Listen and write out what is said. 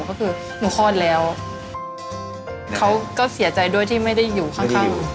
ก็คือหนูคลอดแล้วเขาก็เสียใจด้วยที่ไม่ได้อยู่ข้างหนู